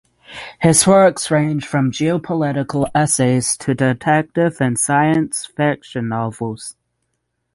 His works range from geopolitical essays to detective and science fiction novels.